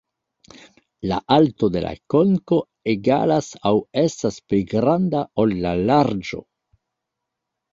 La alto de la konko egalas aŭ estas pli granda ol la larĝo.